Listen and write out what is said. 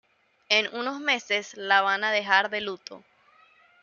En unos meses la van a dejar de lujo.